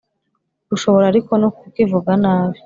Ushobora ariko no kukivuga nabi